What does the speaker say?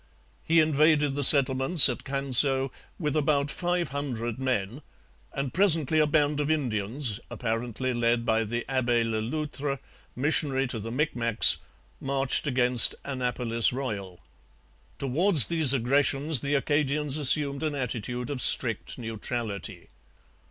He invaded the settlements at Canso with about five hundred men; and presently a band of Indians, apparently led by the Abbe Le Loutre, missionary to the Micmacs, marched against Annapolis Royal. Towards these aggressions the Acadians assumed an attitude of strict neutrality.